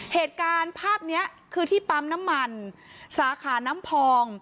เหตุการณ์ภาพนี้คือที่ปั๊มน้ำมันสาขาน้ำพอง